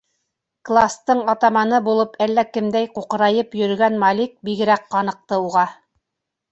Кластың атаманы булып әллә кемдәй ҡуҡырайып йөрөгән Малик бигерәк ҡаныҡты уға.